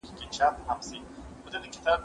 جواب ورکړه!.